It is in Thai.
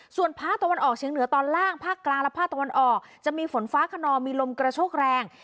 ส่วนภาคตะวันออกเฉียงเหนือตอนล่างภาคกลางและภาคตะวันออกจะมีฝนฟ้าขนองมีลมกระโชกแรง